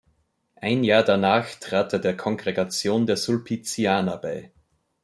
Ein Jahr danach trat er der Kongregation der Sulpizianer bei.